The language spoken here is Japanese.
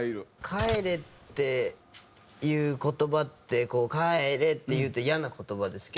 「帰れ」っていう言葉って「帰れ」って言うとイヤな言葉ですけど。